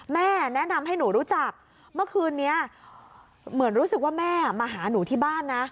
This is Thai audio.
แม่แนะนำให้หนูรู้จักเมื่อคืนนี้เหมือนรู้สึกว่าแม่มาหาหนูที่บ้านนะ